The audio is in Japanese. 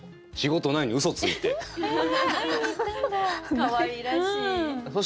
かわいらしい。